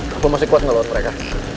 gik lo masih kuat gak lo buat mereka